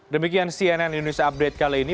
demikian cnn indonesia update kali ini